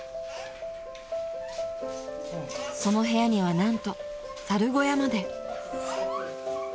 ［その部屋には何と猿小屋まで］